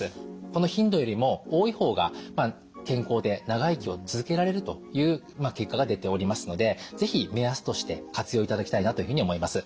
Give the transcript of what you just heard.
この頻度よりも多い方が健康で長生きを続けられるという結果が出ておりますので是非目安として活用いただきたいなというふうに思います。